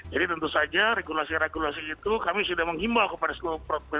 jadi tentu saja regulasi regulasi itu kami sudah menghimbau kepada semua problem